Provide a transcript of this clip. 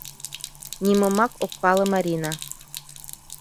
Нимомак ок пале Марина.